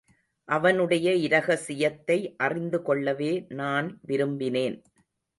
அவனுடைய இரகசியத்தை அறிந்து கொள்ளவே நான் விரும்பினேன்.